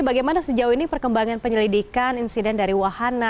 bagaimana sejauh ini perkembangan penyelidikan insiden dari wahana